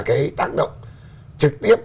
cái tác động trực tiếp